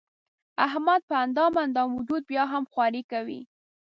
احمد په اندام اندام وجود بیا هم خواري کوي.